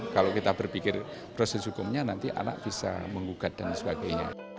kalau kita berpikir proses hukumnya nanti anak bisa menggugat dan sebagainya